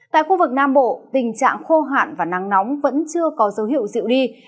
tại khu vực nam bộ tình trạng khô hạn và nắng nóng vẫn chưa có dấu hiệu dịu đi